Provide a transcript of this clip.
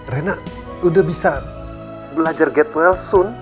reina udah bisa belajar get well soon